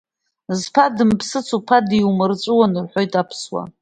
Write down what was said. Зԥа дымԥсыц уԥа диумырҵәуан рҳәоит аԥсуаа.